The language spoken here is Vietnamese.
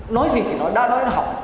nói gì thì nói đa đối với học